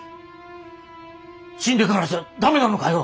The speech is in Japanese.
死んでからじゃダメなのかよ？